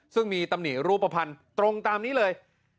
ซึ่งมีตำหนิรูปภัณฑ์ตรงตามนี้เลย